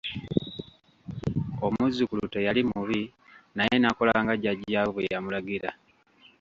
Omuzzukulu teyali mubi naye n'akola nga jjajjaawe bwe yamulagira.